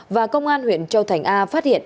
và công an huyện châu thành a phát hiện